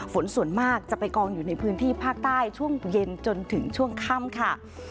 ฝนส่วนมากจะไปกองอยู่ในพื้นที่ภาคใต้ช่วงเย็นจนถึงช่วงค่ำค่ะ